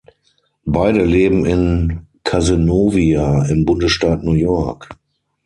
Beide leben in Cazenovia im Bundesstaat New York.